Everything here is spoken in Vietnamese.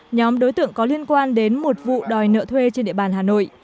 nhóm đối tượng có liên quan đến một vụ đòi nợ thuê trên địa bàn hà nội